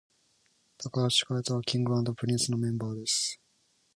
髙橋海人は King & Prince のメンバーです